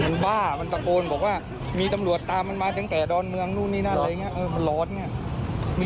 มันบ้ามันตะโกนบอกว่ามีตำรวจตามมันมาตั้งแต่ดอนเมืองนู่นนี่นั่นอะไรอย่างนี้มันร้อนไง